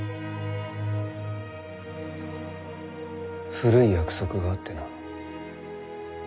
古い約束があってな。